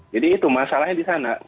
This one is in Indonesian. jadi itu masalahnya di sana